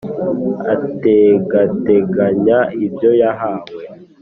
Ategateganya ibyo yahawe;